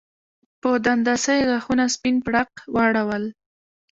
په دنداسه یې غاښونه سپین پړق واړول